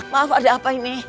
maaf ada apa ini